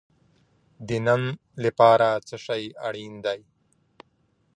د نن لپاره څه شی اړین دی؟